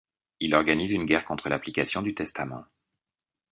Il organise une guerre contre l'application du testament.